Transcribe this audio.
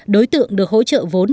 đối tượng được hỗ trợ vốn